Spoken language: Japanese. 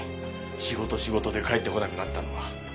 仕事仕事で帰ってこなくなったのは。